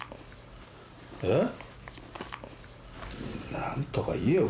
えっ？